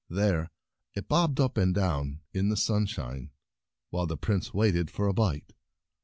There it bobbed up and down in the sunshine, while the Prince waited for a bite.